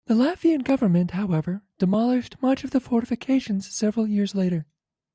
The Latvian government, however, demolished much of the fortifications several years later.